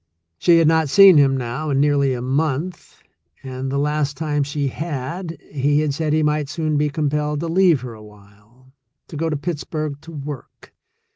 She had not seen him now in nearly a month, and the last time she had, he had said he might soon be compelled to leave her awhile — to go to Pittsburgh to work.